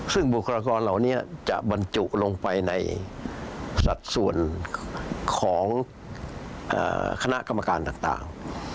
ซึ่งบุคลากรเหล่านี้จะบรรจุลงไปในสัดส่วนของคณะกรรมการต่าง